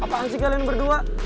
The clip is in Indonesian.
apaan sih kalian berdua